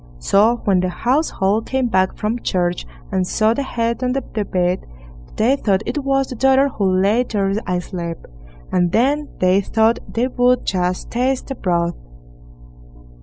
So when the household came back from church, and saw the head on the bed, they thought it was the daughter who lay there asleep; and then they thought they would just taste the broth.